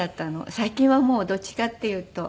最近はもうどっちかっていうと。